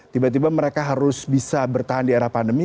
tiba tiba mereka harus bisa bertahan di era pandemi